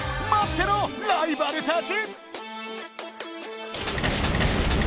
てろライバルたち！